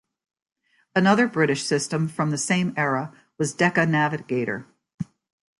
Another British system from the same era was Decca Navigator.